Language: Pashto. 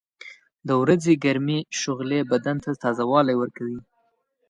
• د ورځې ګرمې شغلې بدن ته تازهوالی ورکوي.